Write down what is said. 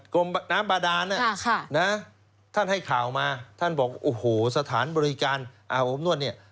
น้ำบาดานท่านให้ข่าวมาท่านบอกโอ้โหสถานบริการอาบอบนวดเนี่ย